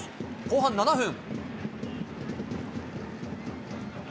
後半７分。